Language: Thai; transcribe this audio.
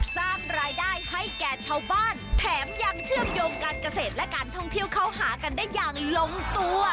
สร้างรายได้ให้แก่ชาวบ้านแถมยังเชื่อมโยงการเกษตรและการท่องเที่ยวเข้าหากันได้อย่างลงตัว